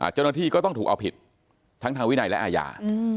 เจ้าหน้าที่ก็ต้องถูกเอาผิดทั้งทางวินัยและอาญา